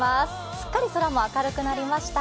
すっかり空も明るくなりました。